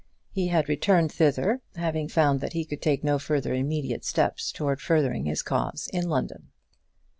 He had returned thither, having found that he could take no further immediate steps towards furthering his cause in London.